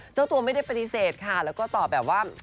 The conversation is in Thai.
เจ้าตัวไม่ได้ปฏิเสธค่ะแล้วก็ตอบแบบว่า